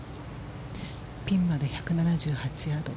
ピンまで１７８ヤード。